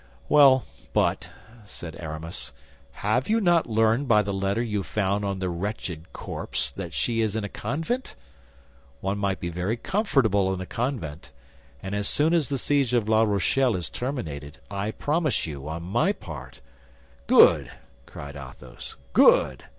"Well, but," said Aramis, "have you not learned by the letter you found on the wretched corpse that she is in a convent? One may be very comfortable in a convent; and as soon as the siege of La Rochelle is terminated, I promise you on my part—" "Good," cried Athos, "good!